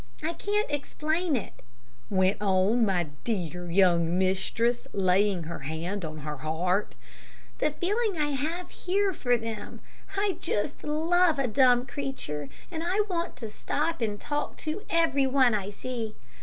I can't explain it," went on my dear young mistress, laying her hand on her heart, "the feeling I have here for them. I just love a dumb creature, and I want to stop and talk to every one I see.